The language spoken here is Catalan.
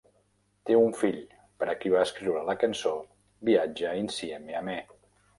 Té un fill, per a qui va escriure la cançó "Viaggia Insieme A Me".